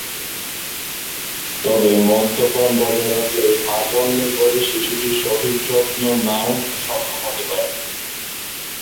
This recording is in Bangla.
তবে মদ্যপান বজায় রাখলে মা জন্মের পরে শিশুটির সঠিক যত্ন নাও নিতে সক্ষম হতে পারেন।